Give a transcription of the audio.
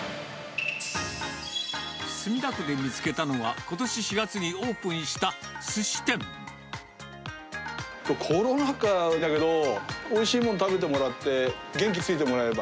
墨田区で見つけたのは、コロナ禍だけど、おいしいもの食べてもらって、元気ついてもらえれば。